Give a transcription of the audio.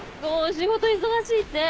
仕事忙しいって。